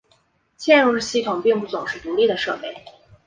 嵌入式系统并不总是独立的设备。